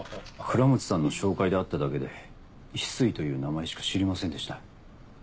倉持さんの紹介で会っただけで翡翠という名前しか知りませんでした。